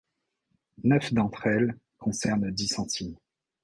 Neuf d'entre elles concernent Dicentim.